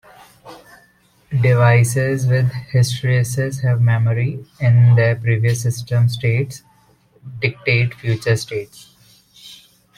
Devices with hysteresis have memory, in that previous system states dictate future states.